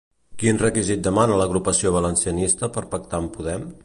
Quin requisit demana l'agrupació valencianista per pactar amb Podem?